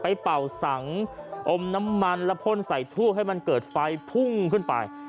เป่าสังอมน้ำมันแล้วพ่นใส่ทูบให้มันเกิดไฟพุ่งขึ้นไป